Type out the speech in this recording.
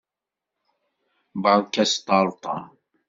Berka asṭerṭer!